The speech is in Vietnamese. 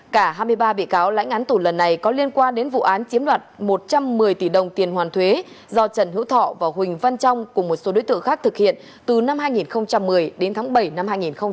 cả hai mươi ba bị cáo lãnh án tù lần này có liên quan đến vụ án chiếm đoạt một trăm một mươi tỷ đồng tiền hoàn thuế do trần hữu thọ và huỳnh văn trong cùng một số đối tượng khác thực hiện từ năm hai nghìn một mươi đến tháng bảy năm hai nghìn một mươi bảy